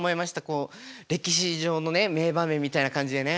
こう歴史上のね名場面みたいな感じでね。